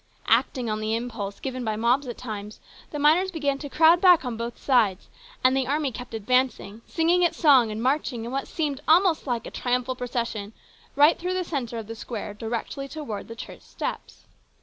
Acting on the impulse given by mobs at times, the miners began to crowd back on both sides, and the army kept advancing, singing its song and marching in what seemed almost like a triumphal procession right through the centre of the square directly towards the church steps.